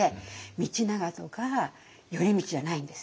道長とか頼通じゃないんです。